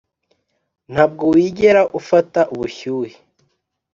ntabwo wigera ufata ubushyuhe